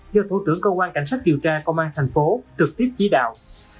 do thủ trưởng công an cảnh sát kiều tra công an tp hcm trực tiếp chỉ đạo